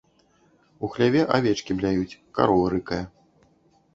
У хляве авечкі бляюць, карова рыкае.